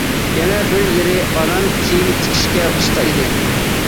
يەنە بىر يېرى ئانام كىيىم تىكىشكە ئۇستا ئىدى.